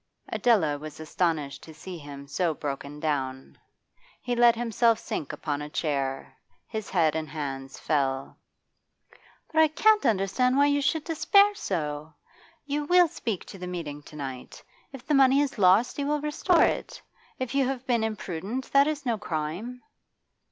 Adela was astonished to see him so broken down. He let himself sink upon a chair; his head and hands fell. 'But I can't understand why you should despair so!' she exclaimed. 'You will speak to the meeting to night. If the money is lost you will restore it. If you have been imprudent, that is no crime.